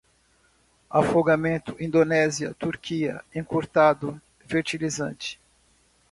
afogamento, Indonésia, Turquia, encurtado, fertilizante